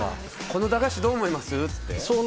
この駄菓子どう思いますって？